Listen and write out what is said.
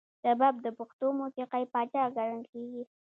رباب د پښتو موسیقۍ پاچا ګڼل کیږي.